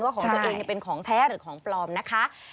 ของตัวเองเป็นของแท้หรือของปลอมนะคะ